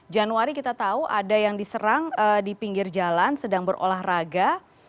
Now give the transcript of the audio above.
januari kita tahu ada yang diserang di pinggir jalan sedang berolahraga